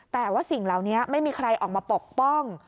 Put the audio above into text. แต่ว่าสิ่งเหล่านี้ไม่มีใครออกมาปกป้อง